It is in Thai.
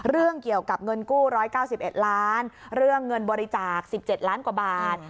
เรื่องเกี่ยวกับเงินกู้๑๙๑ล้านเรื่องเงินบริจาค๑๗ล้านกว่าบาท